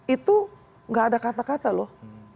itu nggak ada kata kata loh